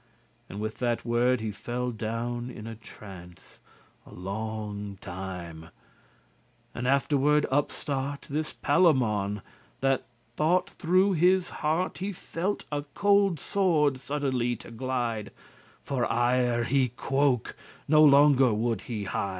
And with that word he fell down in a trance A longe time; and afterward upstart This Palamon, that thought thorough his heart He felt a cold sword suddenly to glide: For ire he quoke*, no longer would he hide.